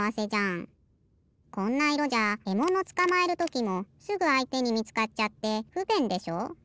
こんないろじゃえものつかまえるときもすぐあいてにみつかっちゃってふべんでしょ？